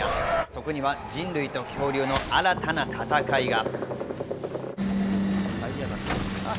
そこには人類と恐竜の新たな戦いが。